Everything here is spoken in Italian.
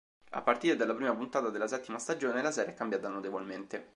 A partire dalla prima puntata della settima stagione la serie è cambiata notevolmente.